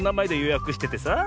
やくしててさ。